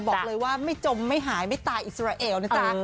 บอกเลยว่าไม่จมไม่หายไม่ตายอิสราเอลนะจ๊ะ